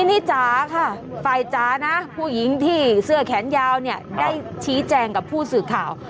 นี่จ๋าค่ะฝ่ายจ๋านะผู้หญิงที่เสื้อแขนยาวเนี่ยได้ชี้แจงกับผู้สื่อข่าว